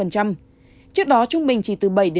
trước đó trung bình chỉ từ bảy tám